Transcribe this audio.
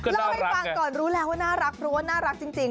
เล่าให้ฟังก่อนรู้แล้วว่าน่ารักเพราะว่าน่ารักจริง